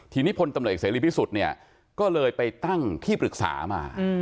ทีนี้พลตำรวจเอกเสรีพิสุทธิ์เนี่ยก็เลยไปตั้งที่ปรึกษามา